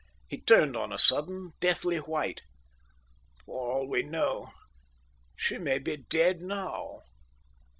He turned on a sudden deathly white. "For all we know she may be dead now."